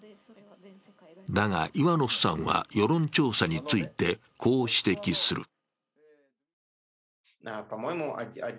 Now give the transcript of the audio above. だがイワノフさんは、世論調査についてこう指摘する。